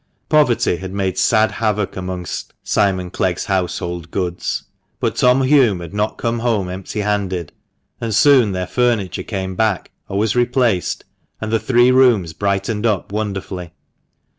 Poverty had made sad havoc amongst Simon Clegg's household goods ; but Tom Hulme had not come home empty handed, and soon their furniture came back, or was replaced, and the three rooms brightened up wonderfully.